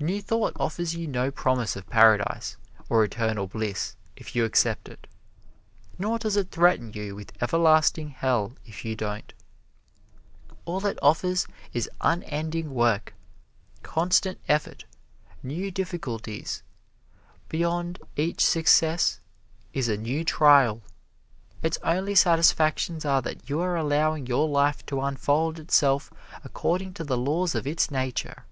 New Thought offers you no promise of paradise or eternal bliss if you accept it; nor does it threaten you with everlasting hell, if you don't. All it offers is unending work, constant effort, new difficulties; beyond each success is a new trial. Its only satisfactions are that you are allowing your life to unfold itself according to the laws of its nature.